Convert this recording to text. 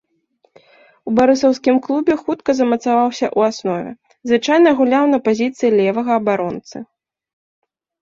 У барысаўскім клубе хутка замацаваўся ў аснове, звычайна гуляў на пазіцыі левага абаронцы.